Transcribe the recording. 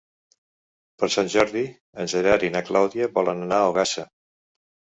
Per Sant Jordi en Gerard i na Clàudia volen anar a Ogassa.